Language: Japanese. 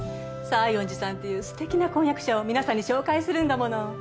西園寺さんっていう素敵な婚約者を皆さんに紹介するんだもの。